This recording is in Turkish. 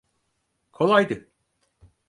Kolaydı.